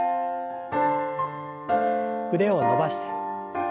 腕を伸ばして。